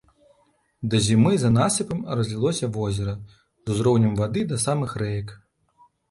Да зімы за насыпам разлілося возера з узроўнем вады да самых рэек.